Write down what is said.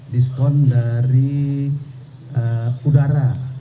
diskon dari udara